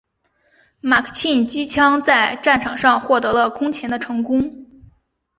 马克沁机枪在战场上获得了空前的成功。